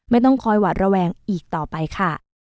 ไม่ต้องคอยหวัดระแวงอีกต่อไปค่ะ